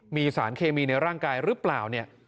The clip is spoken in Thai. มีสารเคมีในร่างกายหรือเปล่าเนี่ย